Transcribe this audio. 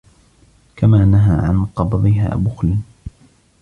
كَمَا نَهَى عَنْ قَبْضِهَا بُخْلًا